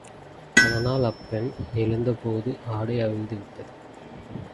அதனால் அப்பெண் எழுந்த போது ஆடை அவிழ்ந்து விட்டது.